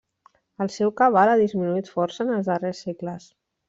El seu cabal ha disminuït força en els darrers segles.